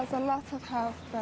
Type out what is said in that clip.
saya suka berbagi pengetahuan